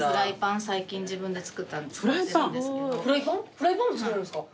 フライパンも作れるんすか？